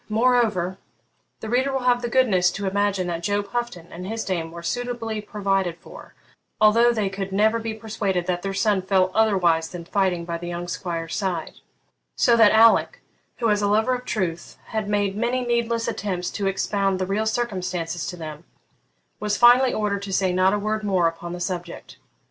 Moreover, the reader will have the goodness to imagine that Job Houghton and his dame were suitably provided for, although they could never be persuaded that their son fell otherwise than fighting by the young squire's side; so that Alick, who, as a lover of truth, had made many needless attempts to expound the real circumstances to them, was finally ordered to say not a word more upon the subject.